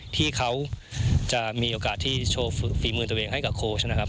ที่เขาจะมีโอกาสที่โชว์ฝีมือตัวเองให้กับโค้ชนะครับ